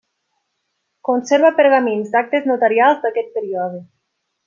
Conserva pergamins d'actes notarials d'aquest període.